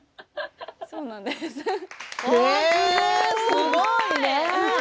すごいね。